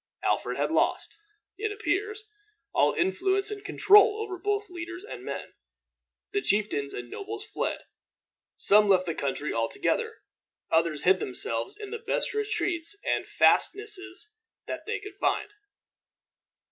Alfred had lost, it appears, all influence and control over both leaders and men. The chieftains and nobles fled. Some left the country altogether; others hid themselves in the best retreats and fastnesses that they could find.